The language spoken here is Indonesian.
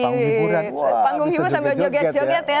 panggung hiburan sambil joget joget ya